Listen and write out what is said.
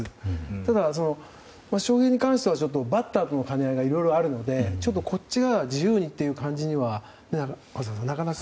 ただ、翔平に関してはバッターとの兼ね合いがいろいろあるので、こっちが自由にという感じにはなかなか。